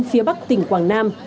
phía bắc tỉnh quảng nam